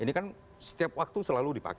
ini kan setiap waktu selalu dipakai